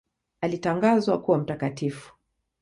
Alitangazwa kuwa mtakatifu.